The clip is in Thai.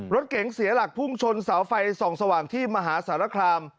รถเก๋งเสียหลักพุ่งชนเสาไฟส่องสว่างที่มหาสารคาม